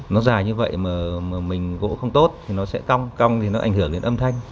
nó dài như vậy mà mình gỗ không tốt thì nó sẽ cong cong thì nó ảnh hưởng đến âm thanh